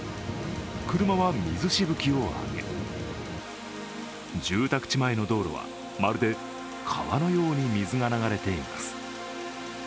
車は水しぶきを上げ、住宅地前の道路はまるで川のように水が流れています。